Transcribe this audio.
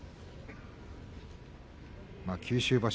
九州場所